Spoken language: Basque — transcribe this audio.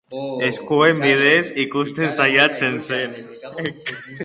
Eskuen bidez ikusten saiatzen zen.